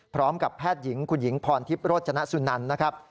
พร้อมกับแพทย์หญิงคุณหญิงพรทิพย์โรจนสุนันนะครับ